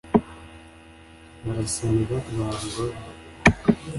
barasanira ba ngohe